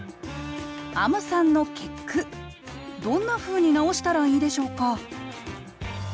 あむさんの結句どんなふうに直したらいいでしょうか？